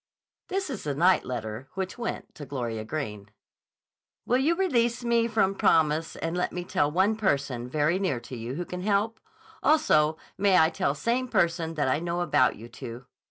This is the night letter which went to Gloria Greene. Will you release me from promise and let me tell one person, very near to you, who can help? Also, may I tell same person that I know about you two?